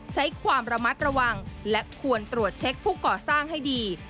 ใช้ความระมัดระวังและควรตรวจเช็คผู้ก่อสร้างให้ดี